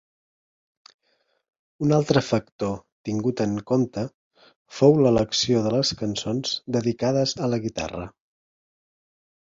Un altre factor tingut en compte fou l'elecció de les cançons dedicades a la guitarra.